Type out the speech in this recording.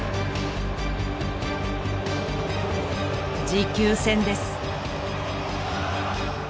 持久戦です。